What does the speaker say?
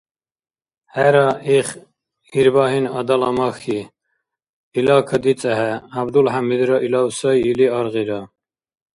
Хӏера, их Ирбагьин–адала махьи. Ила кадицӏехӏе, Гӏябдулхӏямидра илав сай или аргъира.